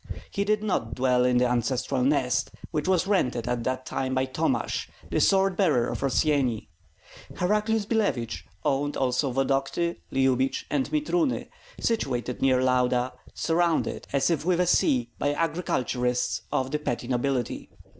He did not dwell in the ancestral nest, which was rented at that time by Tomash, the sword bearer of Rossyeni; Heraclius Billevich owned also Vodokty, Lyubich, and Mitruny, situated near Lauda, surrounded, as if with a sea, by agriculturists of the petty nobility.